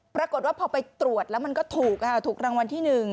ปรากฏว่าพอไปตรวจแล้วมันก็ถูกค่ะถูกถูกรางวัลที่๑